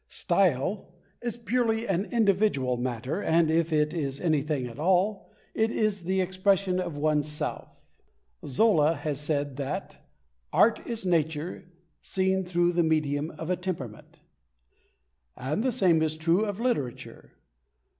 "Style" is purely an individual matter, and, if it is anything at all, it is the expression of one's self. Zola has said that, "art is nature seen through the medium of a temperament," and the same is true of literature.